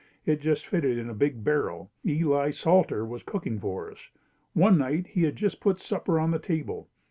It just fitted in a big barrel. Eli Salter was cooking for us. One night he had just put supper on the table.